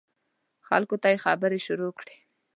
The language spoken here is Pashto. خلکو ته یې خبرې شروع کړې.